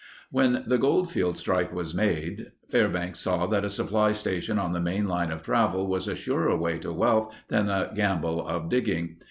When the Goldfield strike was made, Fairbanks saw that a supply station on the main line of travel was a surer way to wealth than the gamble of digging.